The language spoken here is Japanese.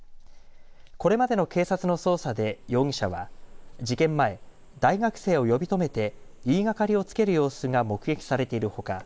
これまでの警察の捜査で容疑者は事件前、大学生を呼び止めて言いがかりをつける様子が目撃されているほか